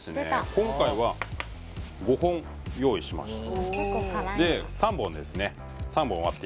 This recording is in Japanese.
今回は５本用意しました